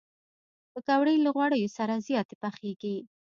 پکورې له غوړیو سره زیاتې پخېږي